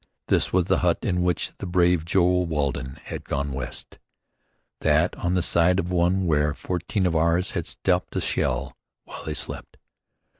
This was the hut in which the brave Joe Waldron had "gone West," that on the site of one where fourteen of "ours" had stopped a shell while they slept.